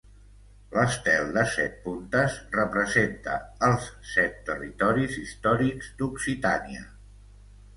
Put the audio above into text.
L'estel de set puntes representa els set territoris històrics d'Occitània.